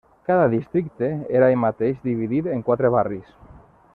Cada districte era ell mateix dividit en quatre barris.